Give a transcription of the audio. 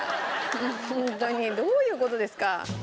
ホントにどういう事ですか？